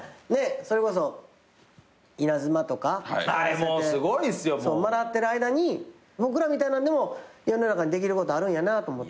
それこそイナズマとかやらせてもらってる間に僕らみたいなんでも世の中にできることあるんやなと思って。